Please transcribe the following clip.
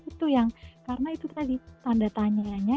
itu yang karena itu tadi tanda tanya